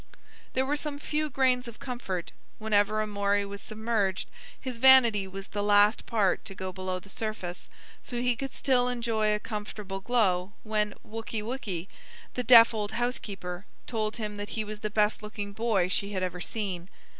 There were some few grains of comfort. Whenever Amory was submerged, his vanity was the last part to go below the surface, so he could still enjoy a comfortable glow when "Wookey wookey," the deaf old housekeeper, told him that he was the best looking boy she had ever seen.